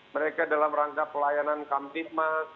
mereka dalam rangka pelayanan kampik mas